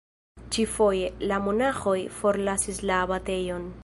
Ĉi-foje, la monaĥoj forlasis la abatejon.